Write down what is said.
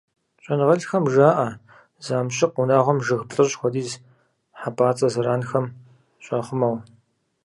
ЩӀэныгъэлӀхэм жаӀэ, зы амкӀыщ унагъуэм жыг плӏыщӏ хуэдиз хьэпӀацӀэ зэранхэм щахъумэу.